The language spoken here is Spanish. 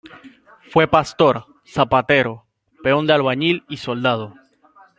Fue pastor, zapatero, peón de albañil y soldado.